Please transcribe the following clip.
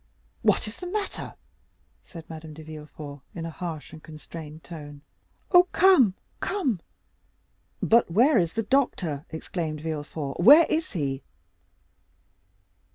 "What is the matter?" said Madame de Villefort in a harsh and constrained tone. "Oh! come! come!" "But where is the doctor?" exclaimed Villefort; "where is he?"